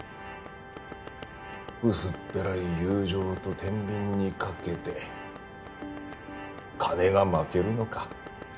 薄っぺらい友情と天秤にかけて金が負けるのか。